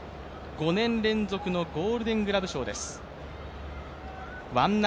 ５年連続のゴールデングラブ賞です。